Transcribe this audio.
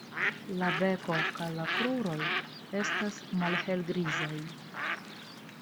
La beko kaj la kruroj estas malhelgrizaj.